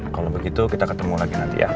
kalau begitu kita ketemu lagi nanti ya